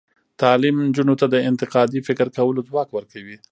تعلیم نجونو ته د انتقادي فکر کولو ځواک ورکوي.